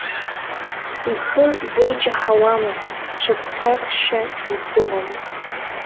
Ихы деиҷаҳауамызт, ҽыԥхьакшьа издыруамызт.